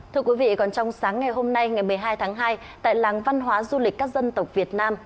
thưa quý vị còn trong sáng ngày hôm nay ngày một mươi hai tháng hai tại làng văn hóa du lịch các dân tộc việt nam